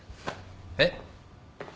えっ？